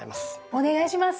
お願いします！